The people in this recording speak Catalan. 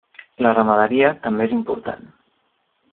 La ramaderia també és important.